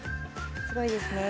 すごいですね。